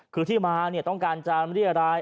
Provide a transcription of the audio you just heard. คือที่มาต้องการจำไม่ได้อะไร